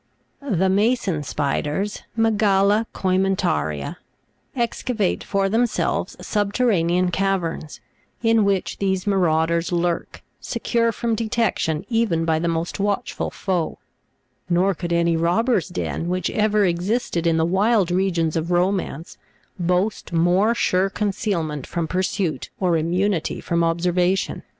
" The mason spiders (Mygale ccementaria} excavate for themselves sub terranean caverns, in which these marauders lurk, secure from detection, even by the most watchful foe : nor could any robber's den, which ever existed in the wild regions of romance, boast more sure concealment from pursuit, or immunity from observation.